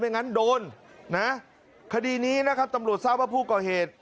งั้นโดนนะคดีนี้นะครับตำรวจทราบว่าผู้ก่อเหตุ